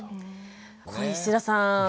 これ石田さん